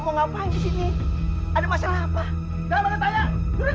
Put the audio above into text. kalian ini menuntut bidas yang telah membohongi kami